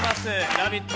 「ラヴィット！」